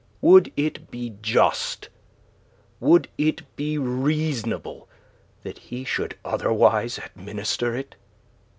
Would it be just, would it be reasonable that he should otherwise administer it?"